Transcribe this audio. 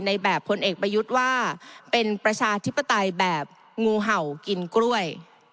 แบบพลเอกประยุทธ์ว่าเป็นประชาธิปไตยแบบงูเห่ากินกล้วย